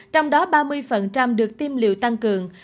trong đó ba mươi được tiêm liều tăng cường